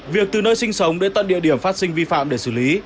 việc từ nơi sinh sống đến tận địa điểm phát sinh vi phạm để xử lý